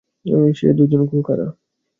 সে দুজন ক্রু কারা?